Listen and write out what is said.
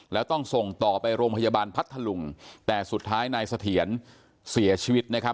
แล้วต้องส่งต่อไปโรงพยาบาลพัทธลุงแต่สุดท้ายนายเสถียรเสียชีวิตนะครับ